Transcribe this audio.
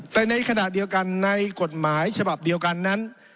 แต่ในขณะเดียวกันในกฎหมายฉบับเดียวกันนั้น